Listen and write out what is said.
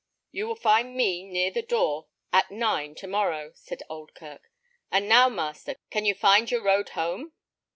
"You will find me near the door at nine to morrow," said Oldkirk. "And now, master, can you find your road home?"